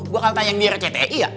bakal tayang di rcti ya